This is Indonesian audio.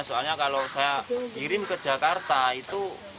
soalnya kalau saya kirim ke jakarta itu